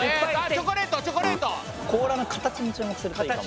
甲羅の形に注目するといいかも。